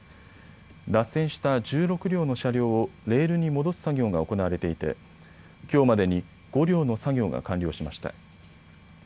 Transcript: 脱線した１６両の車両をレールに戻す作業が行われていてきょうまでに５両の作業が完了しました。